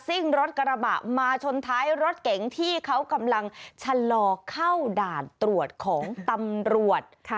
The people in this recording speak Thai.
ซิ่งรถกระบะมาชนท้ายรถเก๋งที่เขากำลังชะลอเข้าด่านตรวจของตำรวจ